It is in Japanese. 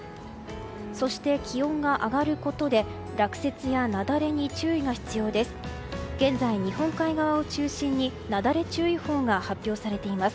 そして気温が上がることで落雪や雪崩に注意が必要です。